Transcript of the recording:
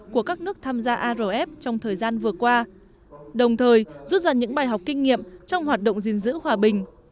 của các nước tham gia arf trong thời gian vừa qua đồng thời rút dần những bài học kinh nghiệm trong hoạt động gìn giữ hòa bình